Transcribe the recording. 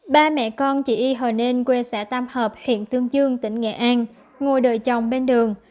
ba mẹ con chị y hờ nên quê xã tam hợp huyện tương dương tỉnh nghệ an ngồi đời chồng bên đường